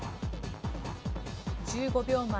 １５秒前。